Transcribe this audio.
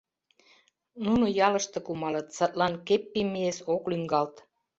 Нуно ялыште кумалыт, садлан Кеппимиэс ок лӱҥгалт.